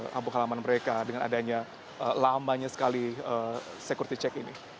kampung halaman mereka dengan adanya lamanya sekali security check ini